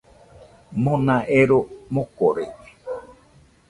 Mona ero mokorede.